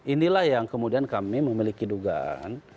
inilah yang kemudian kami memiliki dugaan